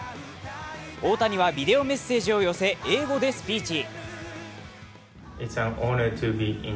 大谷はビデオメッセージを寄せ、英語でスピーチ。